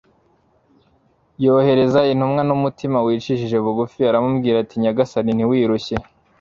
yohereza intumwa n'umutima wicishije bugufi aramubwira ati: «Nyagasani ntiwirushye,